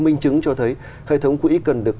minh chứng cho thấy hệ thống quỹ cần được